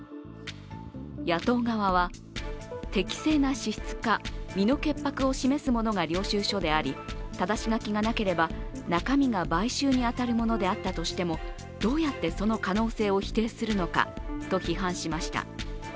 野党側は、適正な支出か、身の潔白を示すものが領収書であり領収書であり、ただし書きがなければ中身が買収に当たるものであったとしてもどうやってその可能性を否定するのかと批判しました。